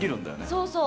そうそう。